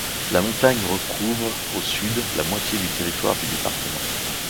La montagne recouvre, au Sud, la moitié du territoire du département.